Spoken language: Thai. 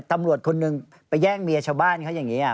ตำรวจคนหนึ่งไปแย่งเมียชาวบ้านเขาอย่างนี้